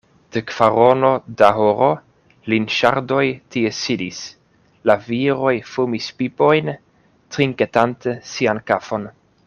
De kvarono da horo, Linŝardoj tie sidis: la viroj fumis pipojn, trinketante sian kafon.